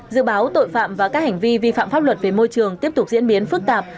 dự báo tội phạm và các hành vi vi phạm pháp luật về môi trường tiếp tục diễn biến phức tạp